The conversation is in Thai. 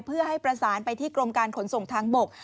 เพื่อให้ประสานไปที่กรมการขนส่งทางบก